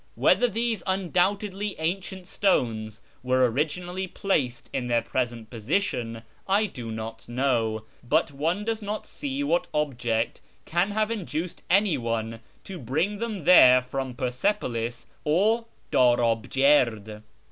Whether these undoubtedly ancient stones were originally placed in their present position I do not know ; but one does not see what object can have induced anyone to bring them there from Persepolis or Darabjird.